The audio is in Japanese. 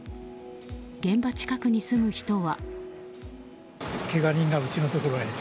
現場近くに住む人は。